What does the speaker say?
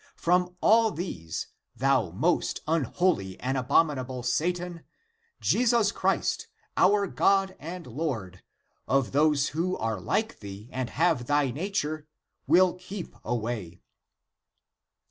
From all these, thou most unholy and abominable Satan, Jesus Christ, our God and <Lord?> of those who are like thee and have thy nature, will keep away."